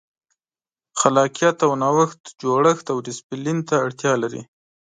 خلاقیت او نوښت جوړښت او ډیسپلین ته اړتیا لري.